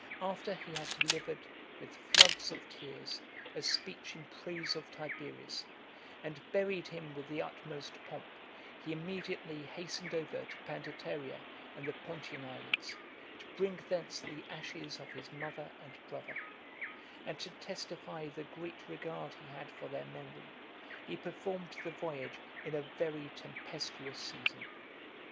After he had delivered, with floods of tears, a speech in praise of Tiberius, and buried him with the utmost pomp, he immediately hastened over to Pandataria and the Pontian islands , to bring thence the ashes of his mother and brother; and, to testify the great regard he had for their memory, he performed the voyage in a very tempestuous season.